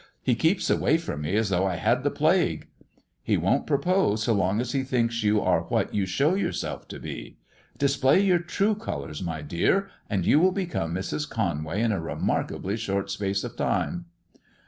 " He keeps away from me as though I had the plague." " He won't propose so long as he thinks you are what you show yourself to be. Display your true colours, my dear, and you will become Mrs. Conway in a remarkably short space of time."